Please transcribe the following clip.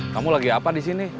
kamu lagi apa di sini